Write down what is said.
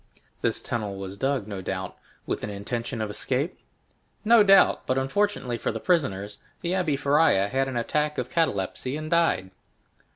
"This tunnel was dug, no doubt, with an intention of escape?" "No doubt; but unfortunately for the prisoners, the Abbé Faria had an attack of catalepsy, and died."